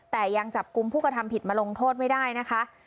แต่ยังจับกลุ่มผู้กระทำผิดมาลงโทษไม่ได้นะคะ